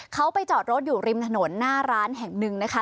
เขาไปจอดรถอยู่ริมถนนหน้าร้านแห่งหนึ่งนะคะ